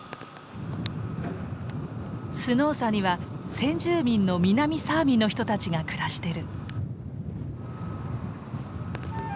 スノーサには先住民の南サーミの人たちが暮らしてる。